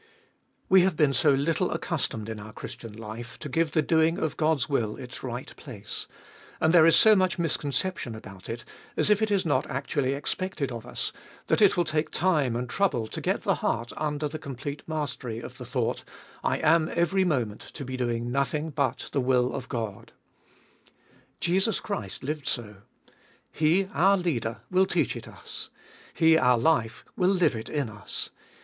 1. We have been so little accustomed in our Christian life to give the doing of God's will its right place, and there is so much misconception about it, as if it is not actually expected of us, that it will take time and trouble to get the heart under the complete mastery of the thought —/ am every moment to be doing nothing but the will of God. Jesus Christ lived so. He, our Leader, wilt teach it us. He, our life, will Hue it in us.